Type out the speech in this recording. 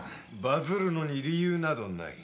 バズるのに理由などない。